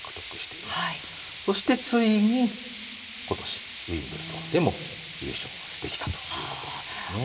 そして、ついにことしウィンブルドンでも優勝できたということなんですね。